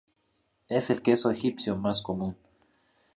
Es el queso egipcio más común.